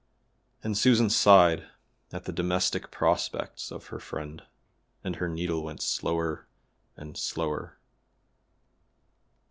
And Susan sighed at the domestic prospects of her friend, and her needle went slower and slower.